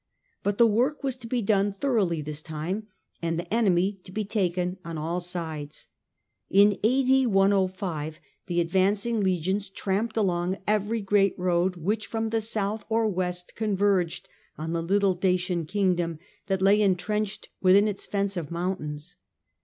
But the work was to be done thoroughly this time, and the enemy to be taken on all sides. The advancing legions tramped A.D. 105. ^Ygjy great road which from the south or west converged on the little Dacian kingdom that lay entrenched within its fence of mountains.